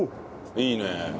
いいねえ。